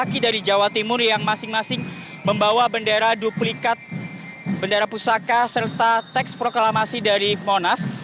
kaki dari jawa timur yang masing masing membawa bendera duplikat bendera pusaka serta teks proklamasi dari monas